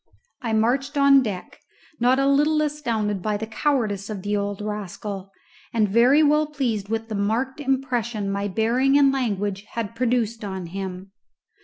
I marched on deck, not a little astounded by the cowardice of the old rascal, and very well pleased with the marked impression my bearing and language had produced on him.